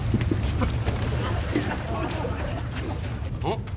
ん？